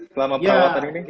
selama perawatan ini